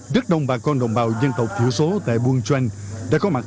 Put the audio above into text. rất đông bà con đồng bào dân tộc thiểu số tại buôn chanh đã có mặt